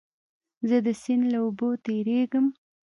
زه د سیند له اوبو تېرېږم.